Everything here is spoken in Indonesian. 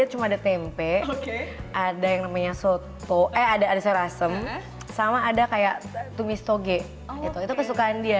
cuma ada tempe ada yang namanya soto eh ada ada sor asem sama ada kayak tumis toge itu kesukaan dia